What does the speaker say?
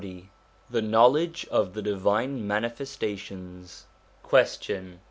XL THE KNOWLEDGE OF THE DIVINE MANIFESTATIONS Question.